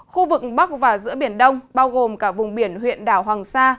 khu vực bắc và giữa biển đông bao gồm cả vùng biển huyện đảo hoàng sa